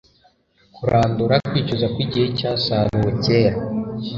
kurandura kwicuza kwigihe cyasaruwe kera